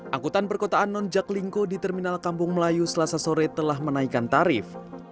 angkutan perkotaan nonjaklingko di terminal kampung melayu selasa sore telah menaikan tarif